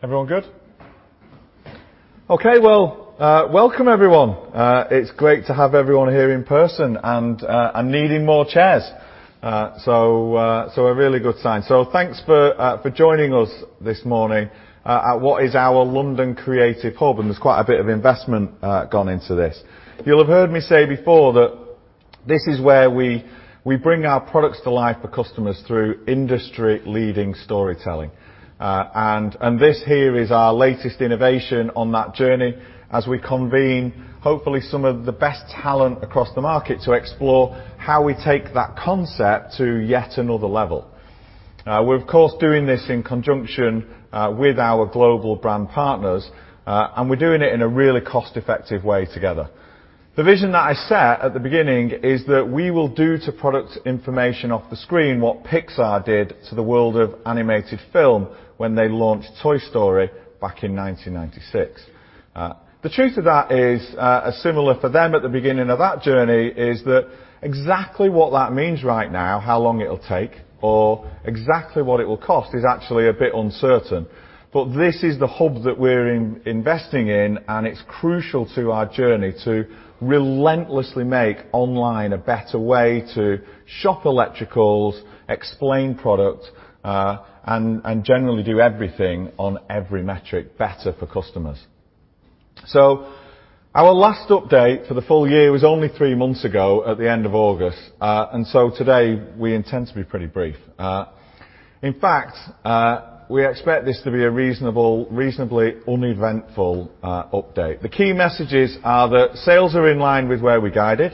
Everyone good? Okay. Well, welcome everyone. It's great to have everyone here in person and needing more chairs. A really good sign. Thanks for joining us this morning at what is our London creative hub, and there's quite a bit of investment gone into this. You'll have heard me say before that this is where we bring our products to life for customers through industry-leading storytelling. This here is our latest innovation on that journey as we convene hopefully some of the best talent across the market to explore how we take that concept to yet another level. We're of course doing this in conjunction with our global brand partners, and we're doing it in a really cost-effective way together. The vision that I set at the beginning is that we will do to product information off the screen what Pixar did to the world of animated film when they launched Toy Story back in 1996. The truth of that is, as similar for them at the beginning of that journey, is that exactly what that means right now, how long it'll take or exactly what it will cost is actually a bit uncertain. This is the hub that we're investing in, and it's crucial to our journey to relentlessly make online a better way to shop electricals, explain product, and generally do everything on every metric better for customers. Our last update for the full year was only three months ago at the end of August. Today we intend to be pretty brief. In fact, we expect this to be a reasonably uneventful update. The key messages are that sales are in line with where we guided,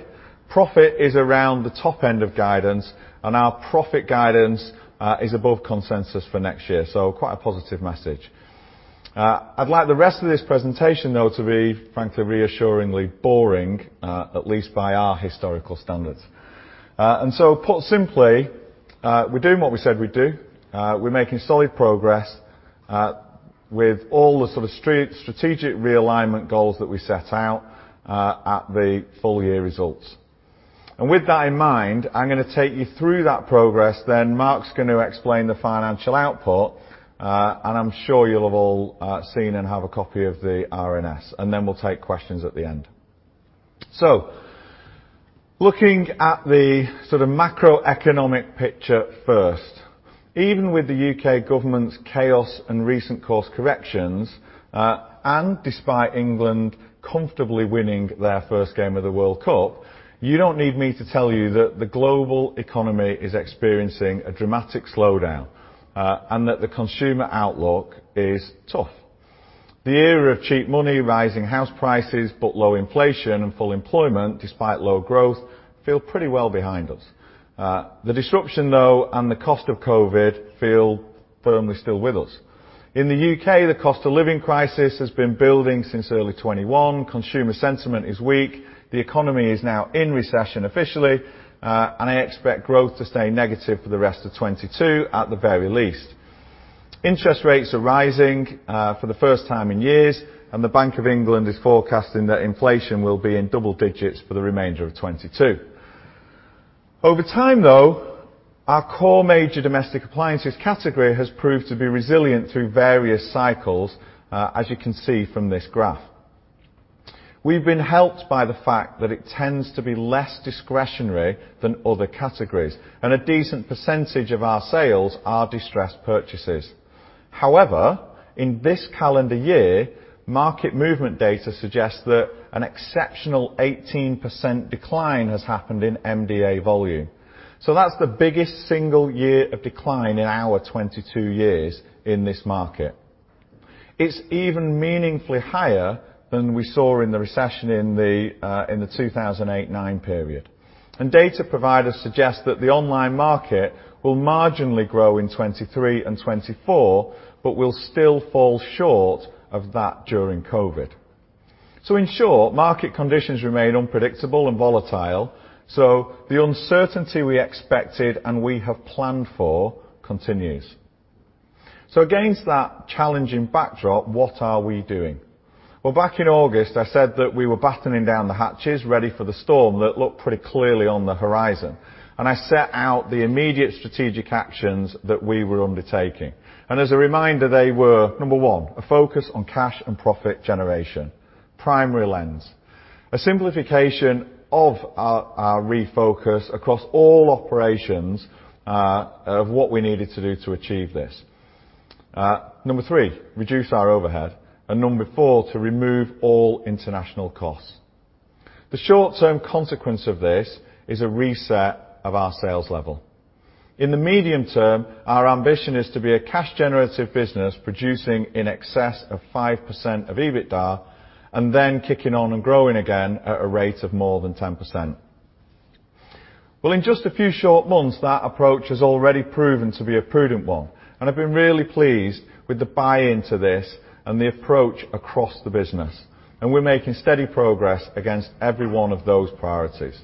profit is around the top end of guidance, and our profit guidance is above consensus for next year. Quite a positive message. I'd like the rest of this presentation though to be, frankly, reassuringly boring, at least by our historical standards. Put simply, we're doing what we said we'd do. We're making solid progress with all the sort of strategic realignment goals that we set out at the full year results. With that in mind, I'm gonna take you through that progress, then Mark's going to explain the financial output, and I'm sure you'll have all seen and have a copy of the RNS, then we'll take questions at the end. Looking at the sort of macroeconomic picture first. Even with the U.K. government's chaos and recent course corrections, and despite England comfortably winning their first game of the World Cup, you don't need me to tell you that the global economy is experiencing a dramatic slowdown, and that the consumer outlook is tough. The era of cheap money, rising house prices but low inflation and full employment despite low growth feel pretty well behind us. The disruption though, and the cost of COVID, feel firmly still with us. In the U.K., the cost of living crisis has been building since early 2021. Consumer sentiment is weak. The economy is now in recession officially, I expect growth to stay negative for the rest of 2022 at the very least. Interest rates are rising, for the first time in years, The Bank of England is forecasting that inflation will be in double-digits for the remainder of 2022. Over time though, our core major domestic appliances category has proved to be resilient through various cycles, as you can see from this graph. We've been helped by the fact that it tends to be less discretionary than other categories, and a decent percentage of our sales are distressed purchases. In this calendar year, market movement data suggests that an exceptional 18% decline has happened in MDA volume. That's the biggest single year of decline in our 22 years in this market. It's even meaningfully higher than we saw in the recession in the 2008/2009 period. Data providers suggest that the online market will marginally grow in 2023 and 2024, but will still fall short of that during COVID. In short, market conditions remain unpredictable and volatile, so the uncertainty we expected and we have planned for continues. Against that challenging backdrop, what are we doing? Well, back in August, I said that we were battening down the hatches ready for the storm that looked pretty clearly on the horizon, and I set out the immediate strategic actions that we were undertaking. As a reminder, they were, number one, a focus on cash and profit generation, primary lens. A simplification of our refocus across all operations of what we needed to do to achieve this. Number three, reduce our overhead. Number four, to remove all international costs. The short-term consequence of this is a reset of our sales level. In the medium term, our ambition is to be a cash generative business, producing in excess of 5% of EBITDA and then kicking on and growing again at a rate of more than 10%. Well, in just a few short months, that approach has already proven to be a prudent one, and I've been really pleased with the buy-in to this and the approach across the business, and we're making steady progress against every one of those priorities.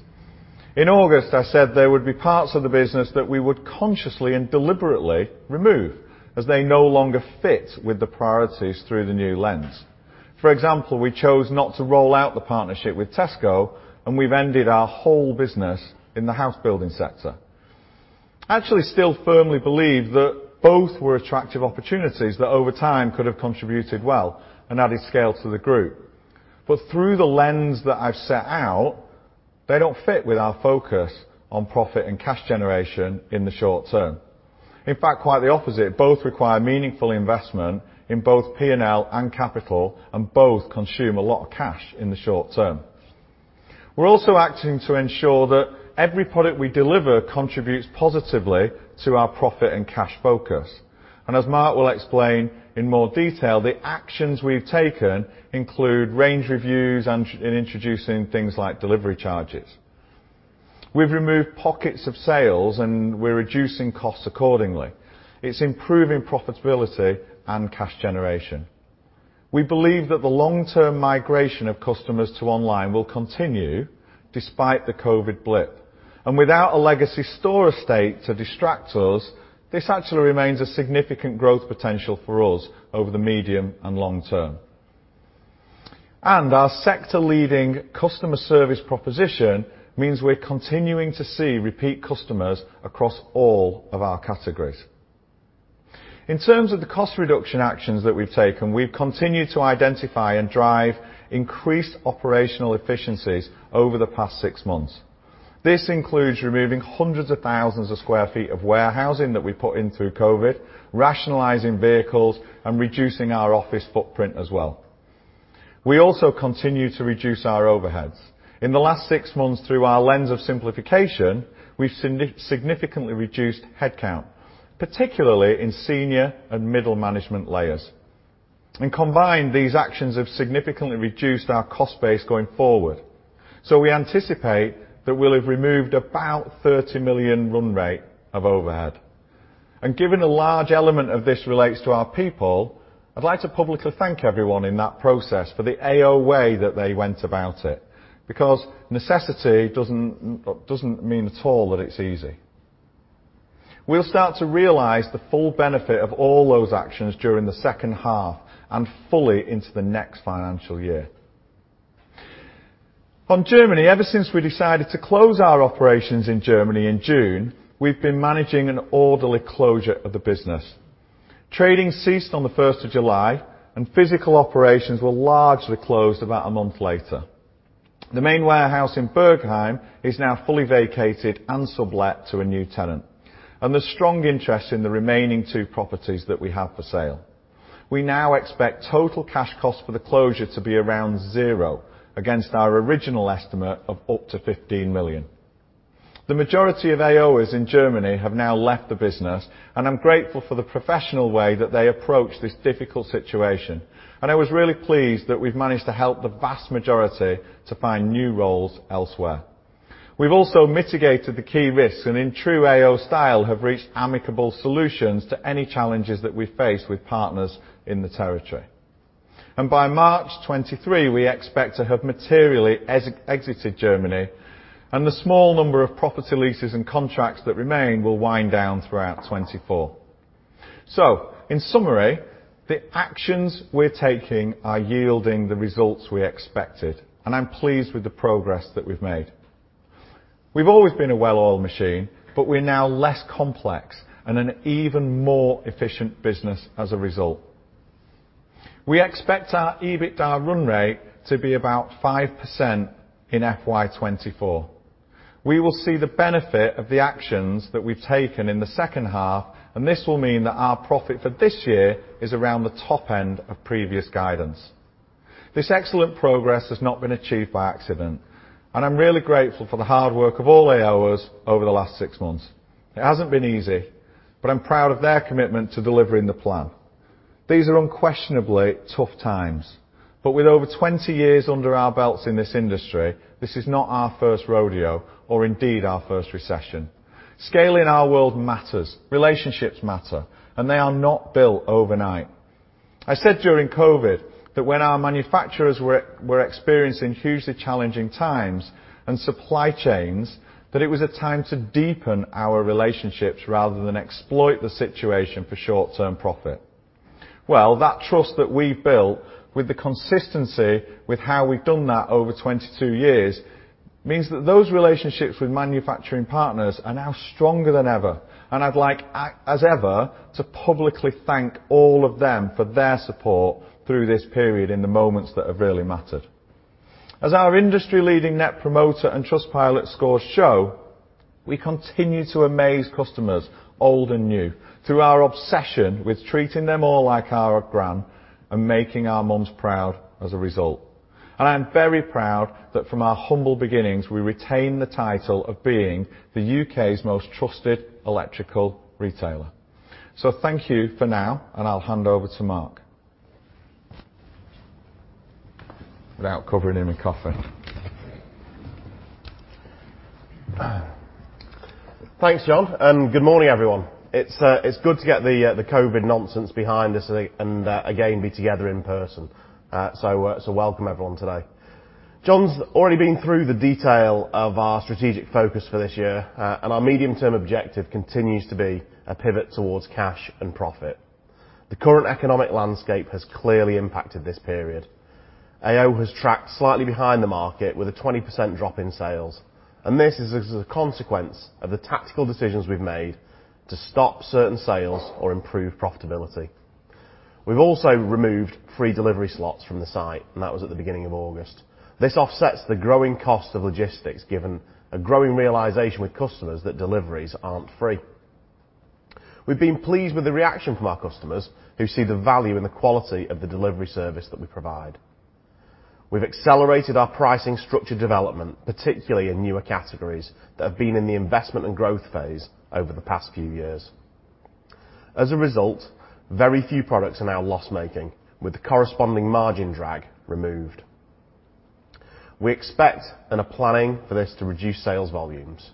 In August, I said there would be parts of the business that we would consciously and deliberately remove as they no longer fit with the priorities through the new lens. For example, we chose not to roll out the partnership with Tesco, and we've ended our whole business in the house building sector. Actually, still firmly believe that both were attractive opportunities that over time could have contributed well and added scale to the group. Through the lens that I've set out, they don't fit with our focus on profit and cash generation in the short term. In fact, quite the opposite, both require meaningful investment in both P&L and capital, and both consume a lot of cash in the short term. We're also acting to ensure that every product we deliver contributes positively to our profit and cash focus. As Mark will explain in more detail, the actions we've taken include range reviews and introducing things like delivery charges. We've removed pockets of sales, and we're reducing costs accordingly. It's improving profitability and cash generation. We believe that the long-term migration of customers to online will continue despite the COVID blip. Without a legacy store estate to distract us, this actually remains a significant growth potential for us over the medium and long term. Our sector-leading customer service proposition means we're continuing to see repeat customers across all of our categories. In terms of the cost reduction actions that we've taken, we've continued to identify and drive increased operational efficiencies over the past six months. This includes removing hundreds of thousands of sq ft of warehousing that we put in through COVID, rationalizing vehicles and reducing our office footprint as well. We also continue to reduce our overheads. In the last six months through our lens of simplification, we've significantly reduced headcount, particularly in senior and middle management layers. Combined, these actions have significantly reduced our cost base going forward. We anticipate that we'll have removed about 30 million run rate of overhead. Given a large element of this relates to our people, I'd like to publicly thank everyone in that process for the AO way that they went about it, because necessity doesn't mean at all that it's easy. We'll start to realize the full benefit of all those actions during the second half and fully into the next financial year. On Germany, ever since we decided to close our operations in Germany in June, we've been managing an orderly closure of the business. Trading ceased on the 1st of July. Physical operations were largely closed about a month later. The main warehouse in Bergheim is now fully vacated and sublet to a new tenant. There's strong interest in the remaining two properties that we have for sale. We now expect total cash cost for the closure to be around zero against our original estimate of up to 15 million. The majority of AOers in Germany have now left the business. I'm grateful for the professional way that they approached this difficult situation. I was really pleased that we've managed to help the vast majority to find new roles elsewhere. We've also mitigated the key risks. In true AO style, have reached amicable solutions to any challenges that we face with partners in the territory. By March 2023, we expect to have materially exited Germany, and the small number of property leases and contracts that remain will wind down throughout 2024. In summary, the actions we're taking are yielding the results we expected, and I'm pleased with the progress that we've made. We've always been a well-oiled machine, we're now less complex and an even more efficient business as a result. We expect our EBITDA run rate to be about 5% in FY 2024. We will see the benefit of the actions that we've taken in the second half, this will mean that our profit for this year is around the top end of previous guidance. This excellent progress has not been achieved by accident, I'm really grateful for the hard work of all AOers over the last six months. It hasn't been easy, but I'm proud of their commitment to delivering the plan. These are unquestionably tough times, but with over 20 years under our belts in this industry, this is not our first rodeo or indeed our first recession. Scale in our world matters, relationships matter, and they are not built overnight. I said during COVID that when our manufacturers were experiencing hugely challenging times and supply chains, that it was a time to deepen our relationships rather than exploit the situation for short-term profit. Well, that trust that we've built with the consistency with how we've done that over 22 years means that those relationships with manufacturing partners are now stronger than ever. I'd like, as ever, to publicly thank all of them for their support through this period in the moments that have really mattered. As our industry-leading Net Promoter and Trustpilot scores show, we continue to amaze customers, old and new, through our obsession with treating them all like our gran and making our moms proud as a result. I am very proud that from our humble beginnings, we retain the title of being the UK's most trusted electrical retailer. Thank you for now, and I'll hand over to Mark. Without covering him in coffer. Thanks, John. Good morning, everyone. It's good to get the COVID nonsense behind us and again, be together in person. Welcome everyone today. John's already been through the detail of our strategic focus for this year, and our medium-term objective continues to be a pivot towards cash and profit. The current economic landscape has clearly impacted this period. AO has tracked slightly behind the market with a 20% drop in sales, and this is as a consequence of the tactical decisions we've made to stop certain sales or improve profitability. We've also removed free delivery slots from the site, and that was at the beginning of August. This offsets the growing cost of logistics, given a growing realization with customers that deliveries aren't free. We've been pleased with the reaction from our customers who see the value and the quality of the delivery service that we provide. We've accelerated our pricing structure development, particularly in newer categories that have been in the investment and growth phase over the past few years. As a result, very few products are now loss-making with the corresponding margin drag removed. We expect and are planning for this to reduce sales volumes.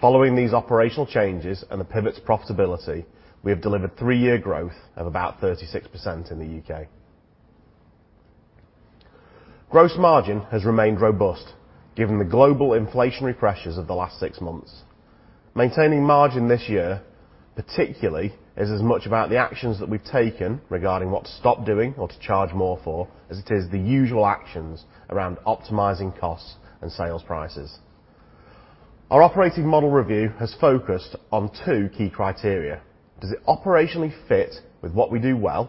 Following these operational changes and the pivot to profitability, we have delivered three-year growth of about 36% in the U.K. Gross margin has remained robust given the global inflationary pressures of the last six months. Maintaining margin this year, particularly, is as much about the actions that we've taken regarding what to stop doing or to charge more for as it is the usual actions around optimizing costs and sales prices. Our operating model review has focused on two key criteria: Does it operationally fit with what we do well,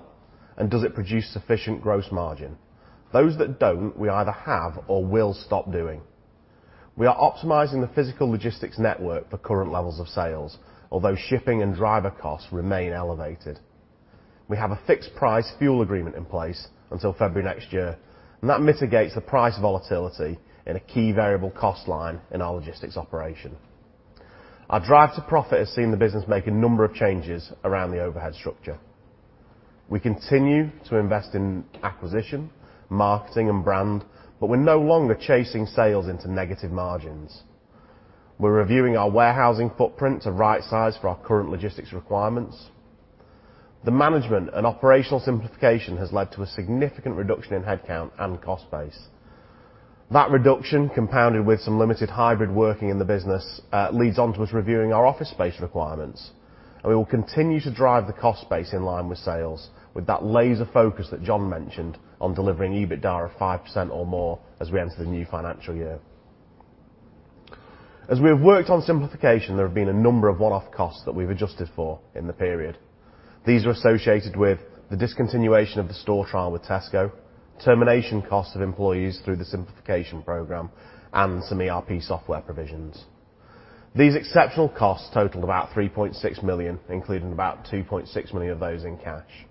and does it produce sufficient gross margin? Those that don't, we either have or will stop doing. We are optimizing the physical logistics network for current levels of sales, although shipping and driver costs remain elevated. We have a fixed price fuel agreement in place until February next year, and that mitigates the price volatility in a key variable cost line in our logistics operation. Our drive to profit has seen the business make a number of changes around the overhead structure. We continue to invest in acquisition, marketing, and brand, but we're no longer chasing sales into negative margins. We're reviewing our warehousing footprint to right size for our current logistics requirements. The management and operational simplification has led to a significant reduction in headcount and cost base. That reduction, compounded with some limited hybrid working in the business, leads on to us reviewing our office space requirements, and we will continue to drive the cost base in line with sales with that laser focus that John mentioned on delivering EBITDA of 5% or more as we enter the new financial year. As we have worked on simplification, there have been a number of one-off costs that we've adjusted for in the period. These are associated with the discontinuation of the store trial with Tesco, termination cost of employees through the simplification program, and some ERP software provisions. These exceptional costs totaled about 3.6 million, including about 2.6 million of those in cash.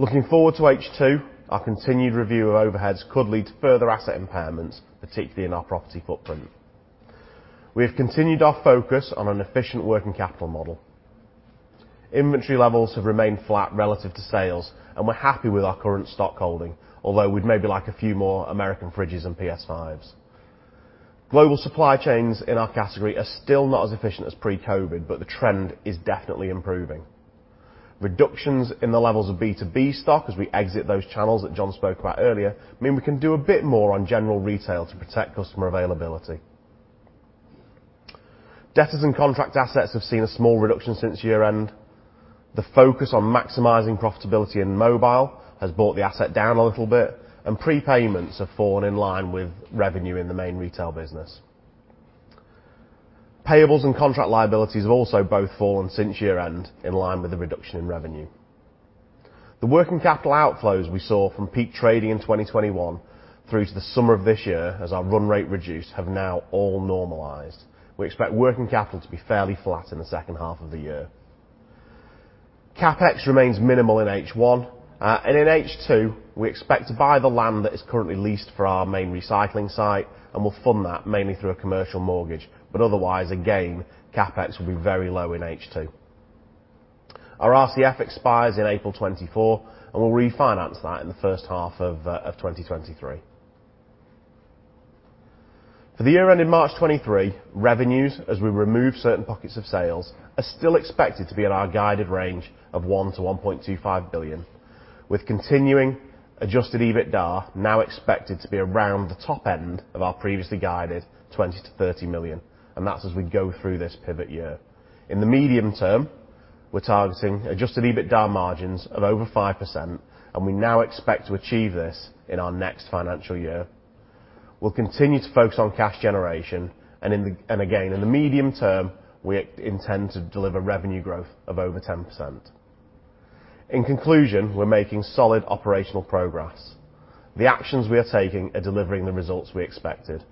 Looking forward to H2, our continued review of overheads could lead to further asset impairments, particularly in our property footprint. We have continued our focus on an efficient working capital model. Inventory levels have remained flat relative to sales, and we're happy with our current stock holding, although we'd maybe like a few more American fridges and PS5s. Global supply chains in our category are still not as efficient as pre-COVID, but the trend is definitely improving. Reductions in the levels of B2B stock as we exit those channels that John spoke about earlier mean we can do a bit more on general retail to protect customer availability. Debtors and contract assets have seen a small reduction since year-end. The focus on maximizing profitability in mobile has brought the asset down a little bit, and prepayments have fallen in line with revenue in the main retail business. Payables and contract liabilities have also both fallen since year-end in line with the reduction in revenue. The working capital outflows we saw from peak trading in 2021 through to the summer of this year as our run rate reduced have now all normalized. We expect working capital to be fairly flat in the second half of the year. CapEx remains minimal in H1. In H2, we expect to buy the land that is currently leased for our main recycling site, and we'll fund that mainly through a commercial mortgage. Otherwise, again, CapEx will be very low in H2. Our RCF expires in April 2024, and we'll refinance that in the first half of 2023. For the year ending March 2023, revenues, as we remove certain pockets of sales, are still expected to be at our guided range of 1 billion-1.25 billion, with continuing Adjusted EBITDA now expected to be around the top end of our previously guided 20 million-30 million. That's as we go through this pivot year. In the medium term, we're targeting Adjusted EBITDA margins of over 5%, we now expect to achieve this in our next financial year. We'll continue to focus on cash generation and again, in the medium term, we intend to deliver revenue growth of over 10%. In conclusion, we're making solid operational progress. The actions we are taking are delivering the results we expected.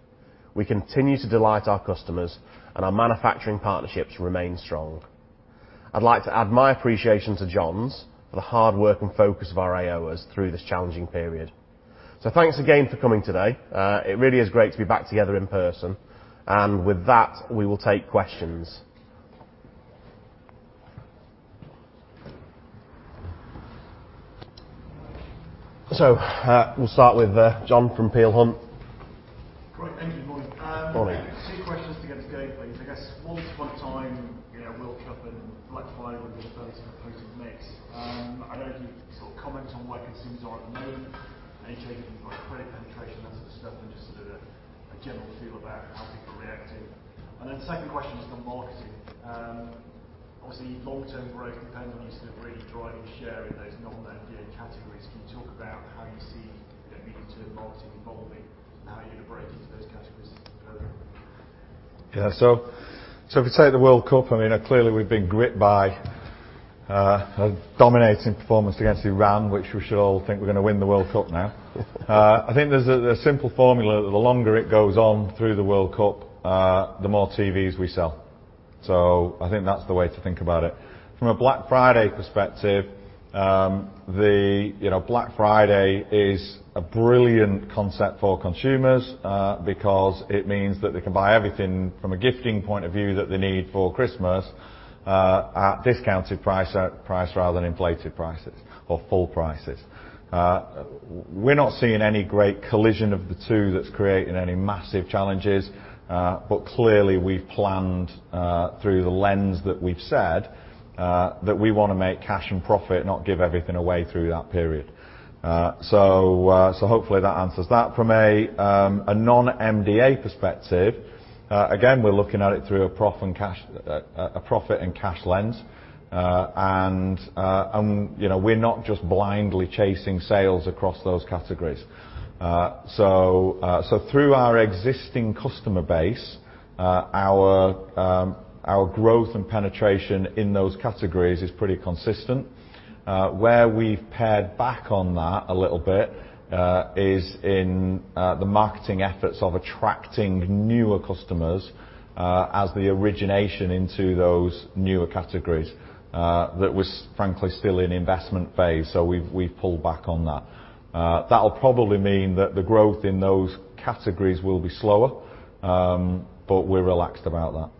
We continue to delight our customers, and our manufacturing partnerships remain strong. I'd like to add my appreciation to John's for the hard work and focus of our AOers through this challenging period. Thanks again for coming today. It really is great to be back together in person. With that, we will take questions. We'll start with John from Peel Hunt. Great. Thank you. Morning. Morning. Two questions to get us going, please. I guess, once upon a time, you know, World Cup and Black Friday were the first opposing mix. I don't know if you can sort of comment on where consumers are at the moment, any change in product credit penetration, that sort of stuff, and just sort of a general feel about how people are reacting. Then second question is on marketing. Obviously long-term growth depends on you sort of really driving share in those non-MDA categories. Can you talk about how you see, you know, medium-term marketing evolving and how you're going to break into those categories further? If we take the World Cup, I mean, clearly we've been gripped by a dominating performance against Iran, which we should all think we're gonna win the World Cup now. I think there's a simple formula, the longer it goes on through the World Cup, the more TVs we sell. I think that's the way to think about it. From a Black Friday perspective, you know, Black Friday is a brilliant concept for consumers because it means that they can buy everything from a gifting point of view that they need for Christmas at discounted price rather than inflated prices or full prices. We're not seeing any great collision of the two that's creating any massive challenges. Clearly we've planned through the lens that we've said that we wanna make cash and profit, not give everything away through that period. Hopefully that answers that. From a non-MDA perspective, again, we're looking at it through a profit and cash lens. You know, we're not just blindly chasing sales across those categories. Through our existing customer base, our growth and penetration in those categories is pretty consistent. Where we've pared back on that a little bit is in the marketing efforts of attracting newer customers, as the origination into those newer categories, that was frankly still in investment phase. We've pulled back on that. That'll probably mean that the growth in those categories will be slower, but we're relaxed about that.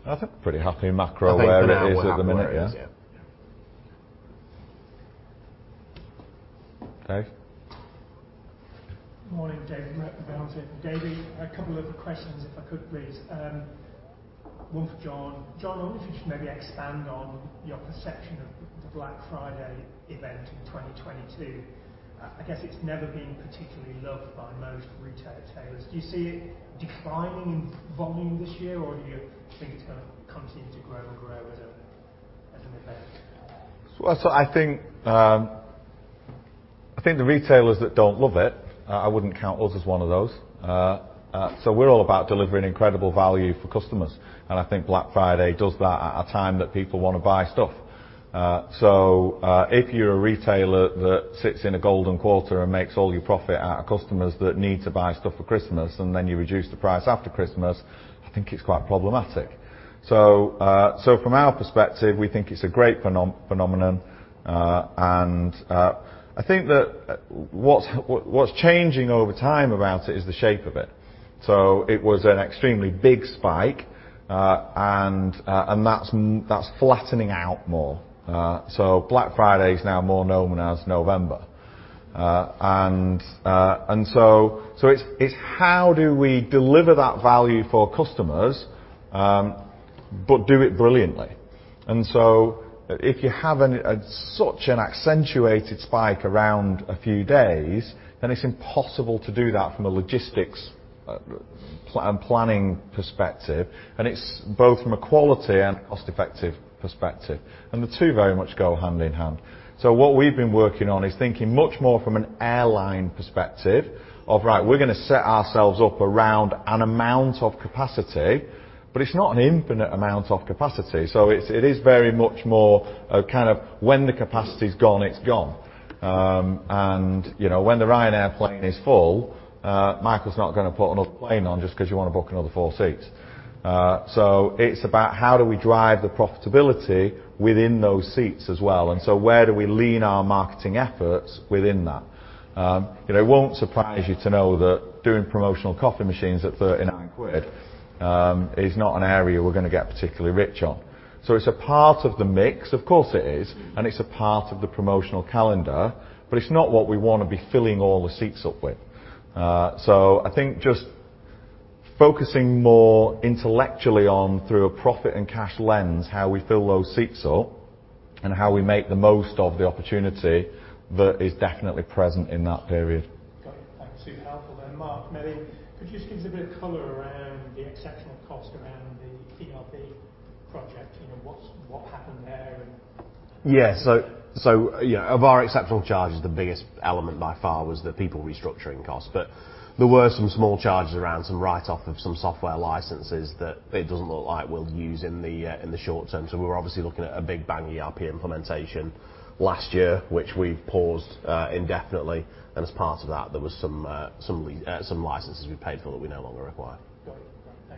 I mean, do you see the percentage, if you like, of marketing shifting over time, or are you happy where it is and you're happy to look at lower acquisition activity? I think we're pretty happy macro where it is at the minute, yeah. I think for now where it is, yeah. Yeah. Dave? Morning. David Madden, Barclays. David, a couple of questions, if I could please. One for John. John, I wonder if you'd maybe expand on your perception of the Black Friday event in 2022. I guess it's never been particularly loved by most retailers. Do you see it declining in volume this year, or do you think it's gonna continue to grow and grow as an event? I think the retailers that don't love it, I wouldn't count us as one of those. We're all about delivering incredible value for customers, and I think Black Friday does that at a time that people wanna buy stuff. If you're a retailer that sits in a golden quarter and makes all your profit out of customers that need to buy stuff for Christmas, and then you reduce the price after Christmas, I think it's quite problematic. From our perspective, we think it's a great phenomenon. I think that what's changing over time about it is the shape of it. It was an extremely big spike, and that's flattening out more. Black Friday is now more known as November. It's how do we deliver that value for customers, but do it brilliantly. If you have such an accentuated spike around a few days, then it's impossible to do that from a logistics planning perspective, and it's both from a quality and cost-effective perspective, and the two very much go hand in hand. What we've been working on is thinking much more from an airline perspective of, right, we're gonna set ourselves up around an amount of capacity, but it's not an infinite amount of capacity. It is very much more a kind of when the capacity's gone, it's gone. You know, when the Ryanair plane is full, Mark's not gonna put another plane on just 'cause you wanna book another four seats. It's about how do we drive the profitability within those seats as well, where do we lean our marketing efforts within that? It won't surprise you to know that doing promotional coffee machines at 39 quid is not an area we're gonna get particularly rich on. It's a part of the mix. Of course, it is. Mm. It's a part of the promotional calendar, but it's not what we wanna be filling all the seats up with. I think just focusing more intellectually on, through a profit and cash lens, how we fill those seats up and how we make the most of the opportunity that is definitely present in that period. Got it. Thanks. Super helpful there. Mark Higgins, could you just give us a bit of color around the exceptional cost around the ERP project? You know, what happened there? And. Yeah. So, you know, of our exceptional charges, the biggest element by far was the people restructuring costs. There were some small charges around some write-off of some software licenses that it doesn't look like we'll use in the in the short term. We were obviously looking at a big bang ERP implementation last year, which we've paused indefinitely. As part of that, there was some licenses we paid for that we no longer require. Got it. Got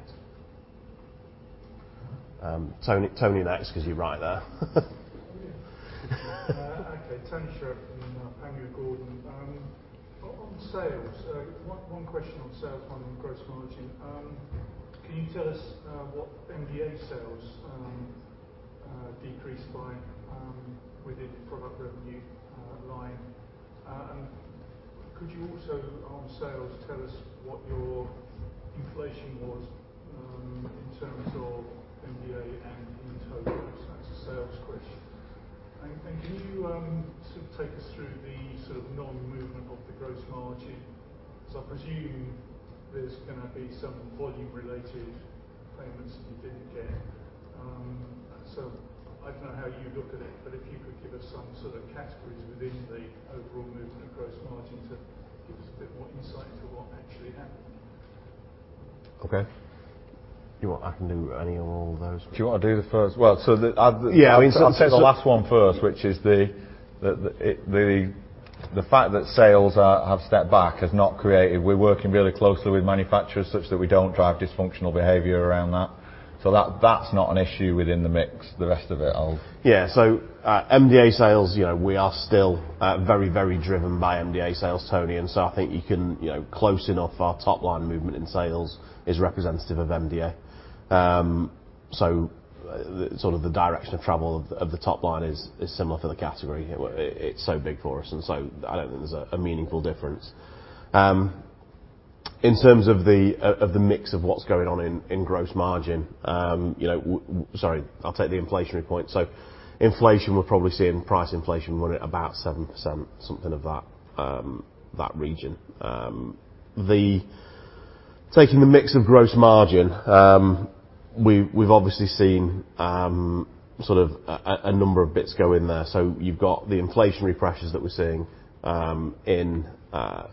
it. Thanks. Tony next 'cause you're right there. Okay. Tony Shiret from Panmure Gordon. On sales, one question on sales margin and gross margin. Can you tell us what MDA sales decreased by within product revenue line? Could you also, on sales, tell us what your inflation was in terms of MDA and in total? That's a sales question. Can you sort of take us through the sort of non-movement of the gross margin? 'Cause I presume there's gonna be some volume-related payments that you didn't get. I don't know how you look at it, but if you could give us some sort of categories within the overall movement of gross margin to give us a bit more insight into what actually happened. Okay. You know what? I can do any or all of those. Do you wanna do the first? Well, I mean, I'll take the last one first, which is the fact that sales have stepped back has not created. We're working really closely with manufacturers such that we don't drive dysfunctional behavior around that. That's not an issue within the mix. The rest of it, I'll. Yeah. MDA sales, you know, we are still very, very driven by MDA sales, Tony, I think you can, you know, close enough our top line movement in sales is representative of MDA. The sort of the direction of travel of the top line is similar for the category. It's so big for us I don't think there's a meaningful difference. In terms of the mix of what's going on in gross margin, you know, sorry, I'll take the inflationary point. Inflation, we're probably seeing price inflation running at about 7%, something of that region. Taking the mix of gross margin, we've obviously seen sort of a number of bits go in there. You've got the inflationary pressures that we're seeing in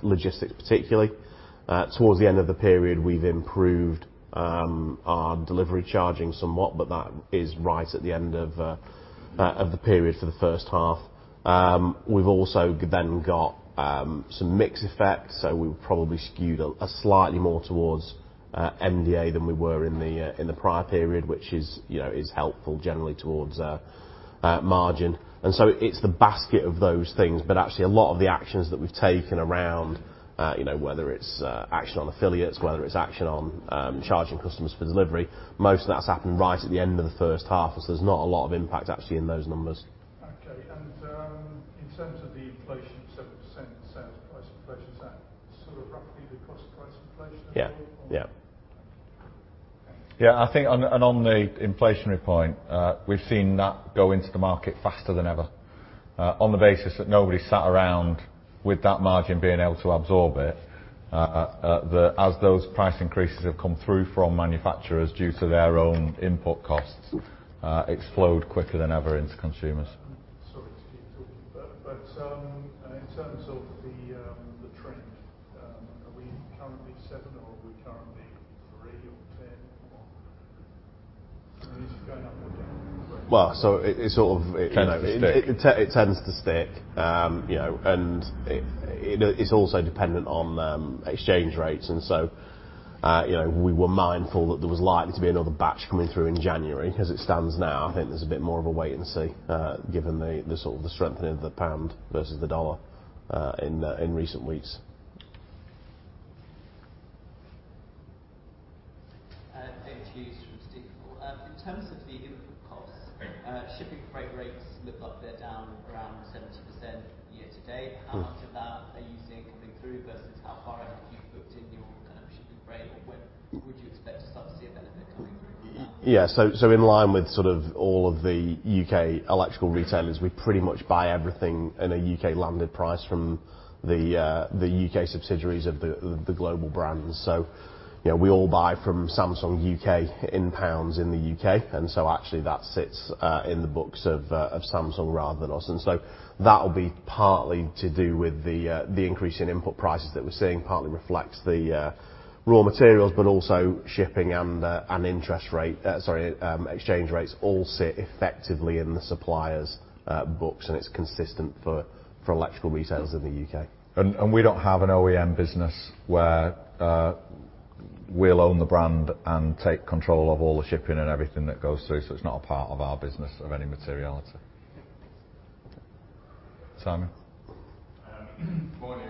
logistics particularly. Towards the end of the period, we've improved our delivery charging somewhat, but that is right at the end of the period for the first half. We've also then got some mix effects, so we probably skewed slightly more towards MDA than we were in the prior period, which is, you know, is helpful generally towards margin. It's the basket of those things. Actually a lot of the actions that we've taken around, you know, whether it's action on affiliates, whether it's action on charging customers for delivery, most of that's happened right at the end of the first half, so there's not a lot of impact actually in those numbers. Okay. In terms of the inflation, 7% sales price inflation, is that sort of roughly the cost price inflation as well? Yeah. Yeah. Yeah, I think on, and on the inflationary point, we've seen that go into the market faster than ever, on the basis that nobody sat around with that margin being able to absorb it. As those price increases have come through from manufacturers due to their own input costs, explode quicker than ever into consumers. Sorry to keep talking. In terms of the trend, are we currently 7% or are we currently 3% or 10%? Is it going up or down? Well, it. Tends to stick. It tends to stick. You know, and it's also dependent on exchange rates and so, you know, we were mindful that there was likely to be another batch coming through in January. As it stands now, I think there's a bit more of a wait and see given the sort of the strengthening of the pound versus the dollar in recent weeks. Hughes from Stifel. In terms of the input costs. Thank you. Shipping freight rates look like they're down around 70% year-to-date. Mm. How much of that are you seeing coming through versus how far out have you booked in your kind of shipping rate? Or when would you expect to start to see a benefit coming through from that? Yeah. In line with sort of all of the U.K. electrical retailers, we pretty much buy everything in a U.K. landed price from the U.K. subsidiaries of the global brands. You know, we all buy from Samsung U.K. in GBP in the U.K., actually that sits in the books of Samsung rather than us. That'll be partly to do with the increase in input prices that we're seeing, partly reflects the raw materials, but also shipping and the interest rate, sorry, exchange rates all sit effectively in the suppliers' books, and it's consistent for electrical retailers in the U.K. We don't have an OEM business where we'll own the brand and take control of all the shipping and everything that goes through, so it's not a part of our business of any materiality. Simon? Morning.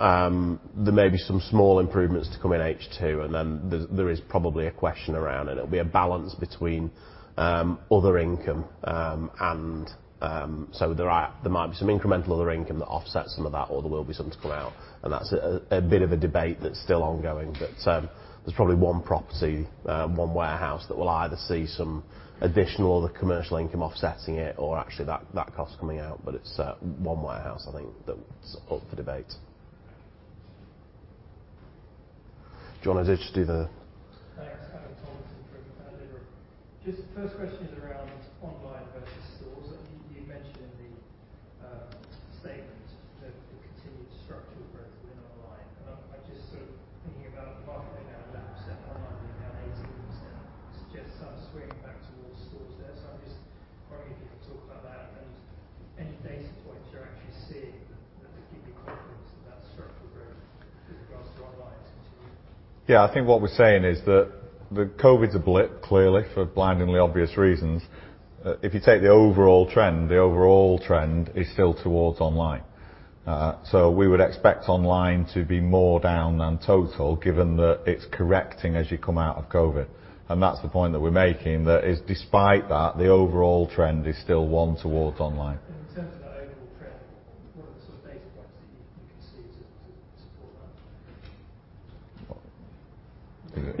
there may be some small improvements to come in H2, and then there is probably a question around it. It'll be a balance between other income, and there might be some incremental other income that offsets some of that, or there will be some to come out, and that's a bit of a debate that's still ongoing. There's probably one property, one warehouse that will either see some additional other commercial income offsetting it or actually that cost coming out, but it's one warehouse I think that's up for debate. Do you wanna just do the. Thanks. Alan Thomson from. Just the first question is around online versus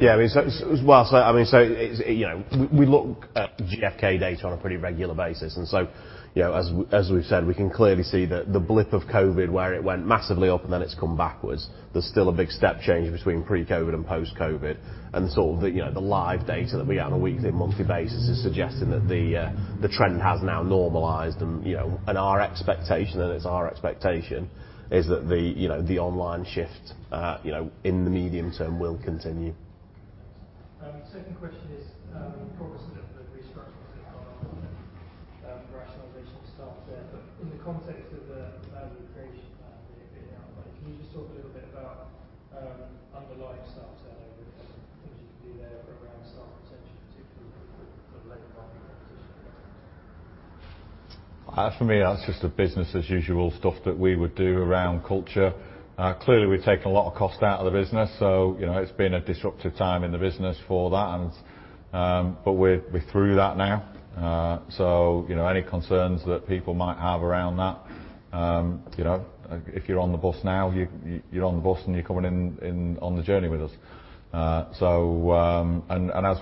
In terms of the overall trend, what are the sort of data points that you can see to support that? Yeah. I mean, as well, I mean, it's, you know, we look at GfK data on a pretty regular basis, you know, as we've said, we can clearly see the blip of COVID where it went massively up and then it's come backwards. There's still a big step change between pre-COVID and post-COVID sort of, you know, the live data that we have on a weekly and monthly basis is suggesting that the trend has now normalized, you know, and it's our expectation, is that the, you know, the online shift, you know, in the medium term will continue. Thanks. Second question is, you've covered sort of the restructuring so far and rationalization of staff there. In the context of the value creation plan that you've been outlined, can you just talk a little bit about underlying staff turnover and things you can do there around staff retention, particularly for late market acquisition? For me, that's just the business as usual stuff that we would do around culture. Clearly, we've taken a lot of cost out of the business, so, you know, it's been a disruptive time in the business for that and, but we're through that now. You know, any concerns that people might have around that, you know, if you're on the bus now, you're on the bus and you're coming on the journey with us. As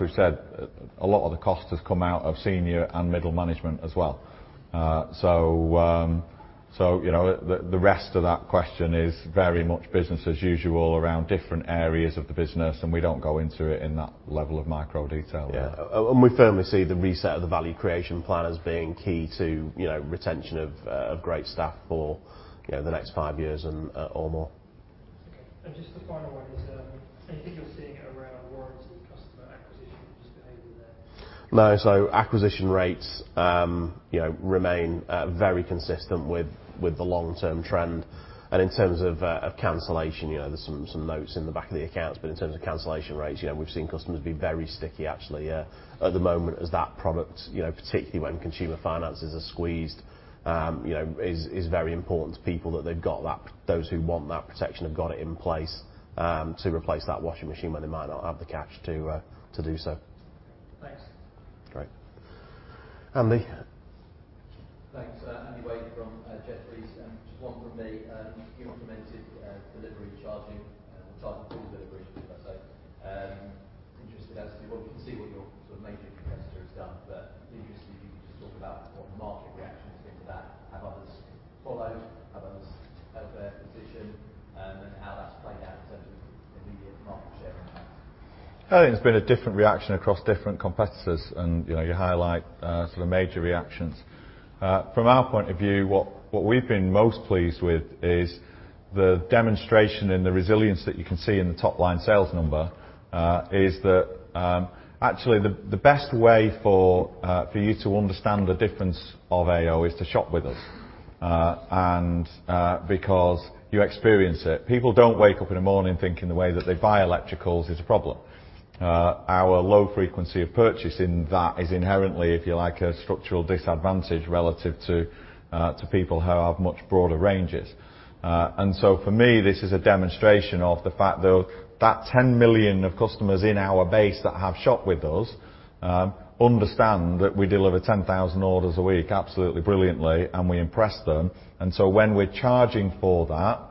we've said, a lot of the cost has come out of senior and middle management as well. You know, the rest of that question is very much business as usual around different areas of the business, and we don't go into it in that level of micro detail there. Yeah. We firmly see the reset of the value creation plan as being key to, you know, retention of great staff for, you know, the next five years or more. Okay. just the final one is, anything you're seeing around warranty customer acquisition, just behavior there? No. Acquisition rates, you know, remain very consistent with the long-term trend. In terms of cancellation, you know, there's some notes in the back of the accounts, but in terms of cancellation rates, you know, we've seen customers be very sticky actually, at the moment as that product, you know, particularly when consumer finances are squeezed, you know, is very important to people that they've got that. Those who want that protection have got it in place, to replace that washing machine when they might not have the cash to do so. Thanks. Great. Andy? Thanks. Andrew Wade from Jefferies. Just one from me. You implemented delivery charging or charging for delivery, should I say. Just interested as to what we can see what your sort of major competitor has done. Be interested if you can just talk about what market reaction has been to that. Have others followed? Have others held their position? How that's played out in terms of immediate market share impact. I think there's been a different reaction across different competitors and, you know, you highlight, sort of major reactions. From our point of view, what we've been most pleased with is the demonstration in the resilience that you can see in the top line sales number, is that, actually, the best way for you to understand the difference of AO is to shop with us. Because you experience it. People don't wake up in the morning thinking the way that they buy electricals is a problem. Our low frequency of purchase in that is inherently, if you like, a structural disadvantage relative to people who have much broader ranges. For me, this is a demonstration of the fact though, that 10 million customers in our base that have shopped with us, understand that we deliver 10,000 orders a week absolutely brilliantly and we impress them. When we're charging for that,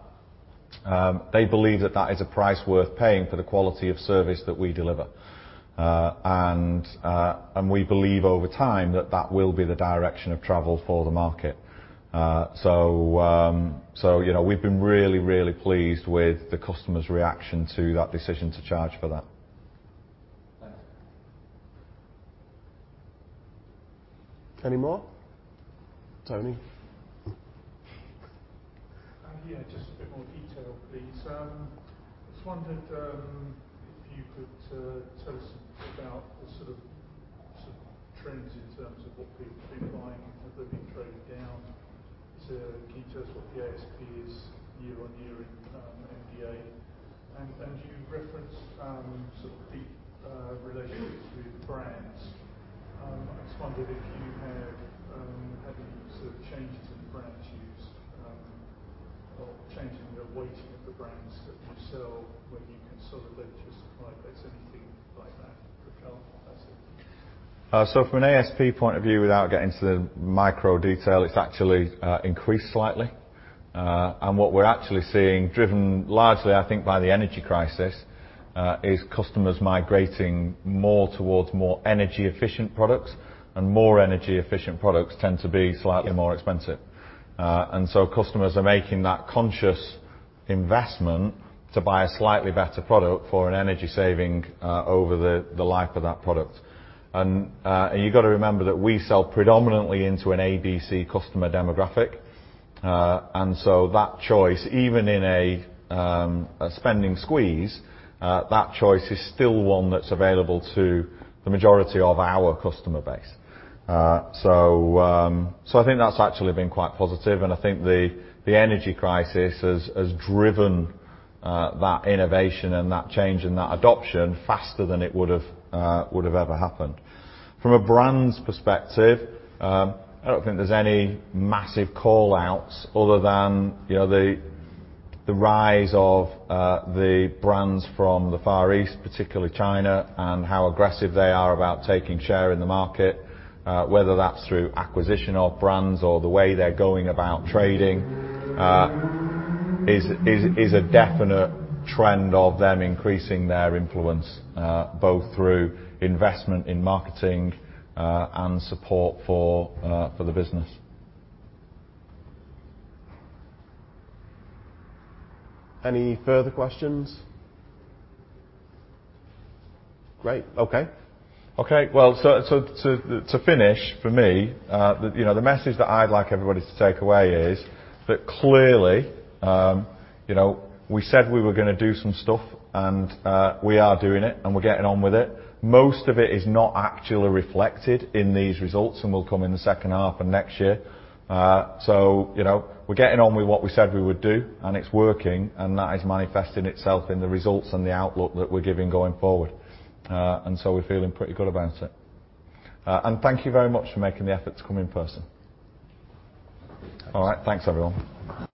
they believe that that is a price worth paying for the quality of service that we deliver. We believe over time that that will be the direction of travel for the market. You know, we've been really, really pleased with the customers' reaction to that decision to charge for that. Thanks. Any more? Tony. Yeah, just a bit more detail, please. Just wondered if you could tell us about the sort of trends in terms of what people have been buying. Have they been trading down? Can you tell us what the ASP is year-on-year in MDA? You referenced sort of deep relationships with brands. I just wondered if you had any sort of changes in brand use, or change in the weighting of the brands that you sell when you consolidate your supply base, anything like that, that's it? From an ASP point of view, without getting into the micro detail, it's actually increased slightly. What we're actually seeing, driven largely, I think by the energy crisis, is customers migrating more towards more energy efficient products, and more energy efficient products tend to be slightly more expensive. Customers are making that conscious investment to buy a slightly better product for an energy saving over the life of that product. You got to remember that we sell predominantly into an ABC customer demographic, and so that choice, even in a spending squeeze, that choice is still one that's available to the majority of our customer base. I think that's actually been quite positive, and I think the energy crisis has driven, that innovation and that change and that adoption faster than it would've ever happened. From a brands' perspective, I don't think there's any massive call-outs other than, you know, the rise of, the brands from the Far East, particularly China, and how aggressive they are about taking share in the market, whether that's through acquisition of brands or the way they're going about trading, is a definite trend of them increasing their influence, both through investment in marketing, and support for the business. Any further questions? Great. Okay. Okay. Well, so to finish for me, the, you know, the message that I'd like everybody to take away is that clearly, you know, we said we were gonna do some stuff, and we are doing it, and we're getting on with it. Most of it is not actually reflected in these results and will come in the second half and next year. You know, we're getting on with what we said we would do and it's working, and that is manifesting itself in the results and the outlook that we're giving going forward. We're feeling pretty good about it. Thank you very much for making the effort to come in person. All right. Thanks, everyone.